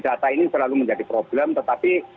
data ini selalu menjadi problem tetapi